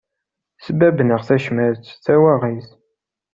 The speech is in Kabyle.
Sbabben-aɣ tacmat, tawaɣit.